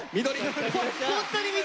緑！